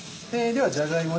じゃが芋